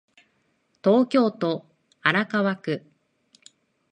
東京都荒川区